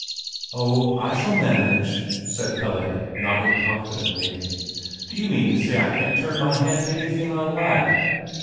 "Oh, I shall manage!" said Pelle, nodding confidently. "Do you mean to say I can't turn my hand to anything I like?"